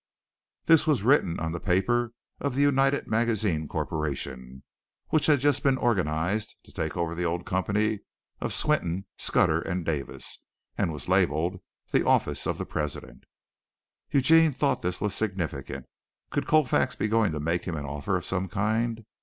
This was written on the paper of the United Magazines Corporation, which had just been organized to take over the old company of Swinton, Scudder and Davis, and was labeled "The Office of the President." Eugene thought this was significant. Could Colfax be going to make him an offer of some kind?